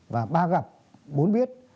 và ba gặp bốn biết